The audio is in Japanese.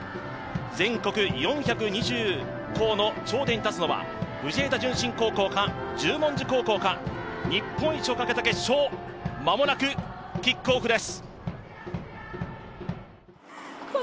全国４２０校の頂点に立つのは、藤枝順心高校か十文字高校か、日本一をかけた決勝間もなくキックオフです。